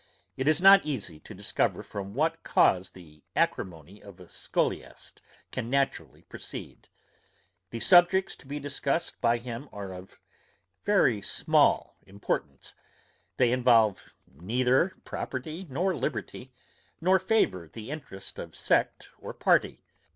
It is not easy to discover from what cause the acrimony of a scholiast can naturally proceed. The subjects to be discussed by him are of very small importance; they involve neither property nor liberty; nor favour the interest of sect or party.